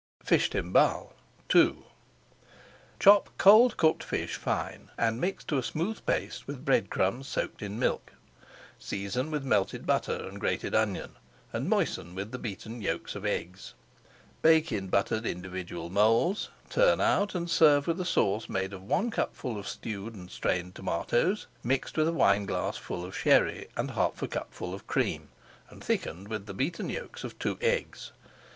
FISH TIMBALE II Chop cold cooked fish fine and mix to a smooth paste with bread crumbs soaked in milk. Season with melted butter and grated onion and moisten with the beaten yolks of eggs. Bake in buttered individual moulds, turn out, and serve with a sauce made of one cupful of stewed [Page 487] and strained tomatoes mixed with a wineglassful of Sherry and half a cupful of cream, and thickened with the beaten yolks of two eggs.